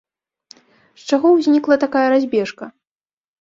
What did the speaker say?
З чаго ўзнікла такая разбежка?